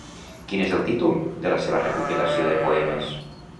Quin és el títol de la seva recopilació de poemes?